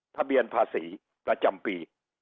ทะเบียนภาษีประจำปี